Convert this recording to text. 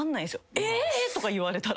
「えぇ！？」とか言われたら。